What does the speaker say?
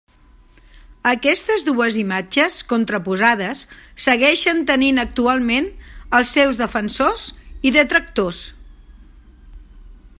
Aquestes dues imatges contraposades segueixen tenint actualment els seus defensors i detractors.